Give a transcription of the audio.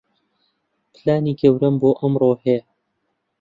پلانی گەورەم بۆ ئەمڕۆ هەیە.